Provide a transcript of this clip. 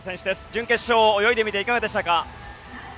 準決勝、泳いでみていかがでしたか？